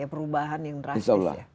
perubahan yang drastis